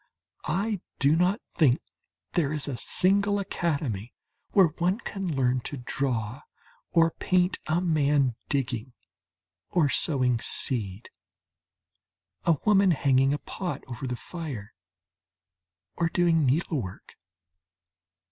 I do not think there is a single academy where one can learn to draw or paint a man digging or sowing seed, a woman hanging a pot over the fire or doing needlework.